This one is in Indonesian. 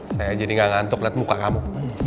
saya jadi gak ngantuk lihat muka kamu